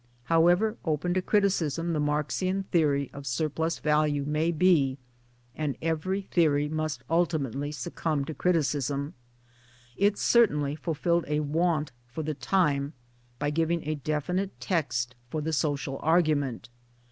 However open to criti cism the Marxian theory of surplus value may be (and every theory must ultimately succumb to criti cism), it certainly fulfilled a want for the time by giving a definite text for the social argument.